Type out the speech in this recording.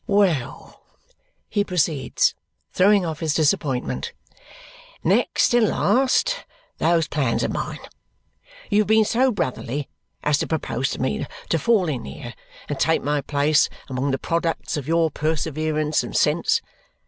"Well," he proceeds, throwing off his disappointment, "next and last, those plans of mine. You have been so brotherly as to propose to me to fall in here and take my place among the products of your perseverance and sense.